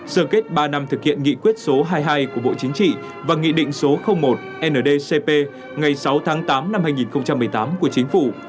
sở kết ba năm thực hiện nghị quyết số hai mươi hai của bộ chính trị và nghị định số một ndcp ngày sáu tháng tám năm hai nghìn một mươi tám của chính phủ